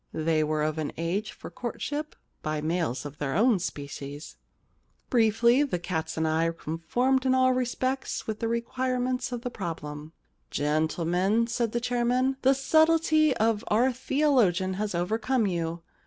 They were of an age for courtship — by males of their own species. Briefly, the cats and I conformed in all respects with the require ments of the problem.' * Gentlemen,* said the chairman, * the subtlety of our theologian has overcome you.